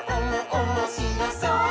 おもしろそう！」